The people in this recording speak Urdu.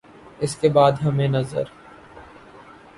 اس کے بعد ہمیں نظر